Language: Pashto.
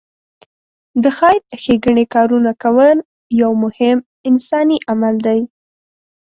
د خېر ښېګڼې کارونه کول یو مهم انساني عمل دی.